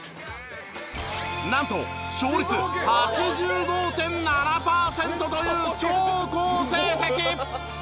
なんと勝率８５．７パーセントという超好成績！